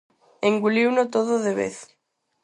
Enguliuno todo de vez.